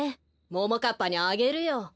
ももかっぱにあげるよ。